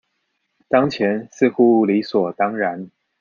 當前似乎理所當然